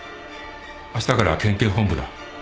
あしたから県警本部だ。